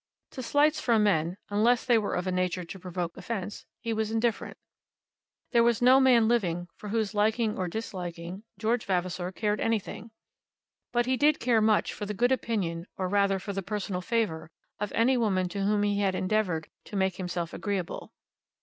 To slights from men, unless they were of a nature to provoke offence, he was indifferent. There was no man living for whose liking or disliking George Vavasor cared anything. But he did care much for the good opinion, or rather for the personal favour, of any woman to whom he had endeavoured to make himself agreeable.